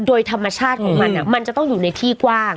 โดยธรรมชาติของมันมันจะต้องอยู่ในที่กว้าง